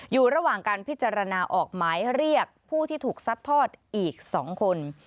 อยู่ระหว่างการพิจารณาออกหมายเรียกผู้ที่ถูกซัดทอดอีก๒คน